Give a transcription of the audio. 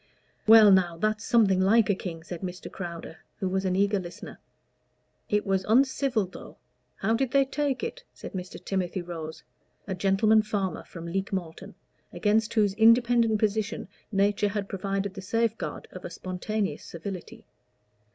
"Well, now, that's something like a king," said Mr. Crowder, who was an eager listener. "It was uncivil, though. How did they take it?" said Mr. Timothy Rose, a "gentleman farmer" from Leek Malton, against whose independent position nature had provided the safeguard of a spontaneous servility.